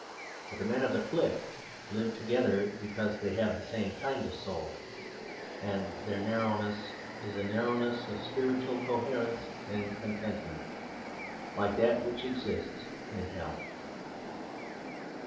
But the men of the clique live together because they have the same kind of soul, and their narrowness is a narrowness of spiritual coherence and contentment, like that which exists in hell.